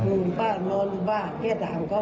อืมป้านอนบ้านแค่ถามเขา